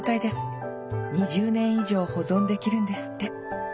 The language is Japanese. ２０年以上保存できるんですって。